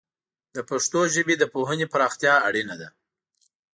د پښتو ژبې د پوهنې پراختیا اړینه ده.